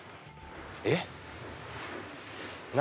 えっ！